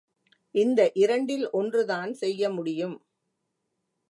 இந்த இரண்டிலொன்றுதான் செய்ய முடியும்.